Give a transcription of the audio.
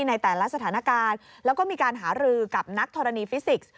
ในแต่ละสถานการณ์แล้วก็มีการหารือกับนักธรณีฟิสิกส์